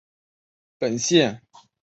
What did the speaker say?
本县的第一个县治为帕拉克利夫特。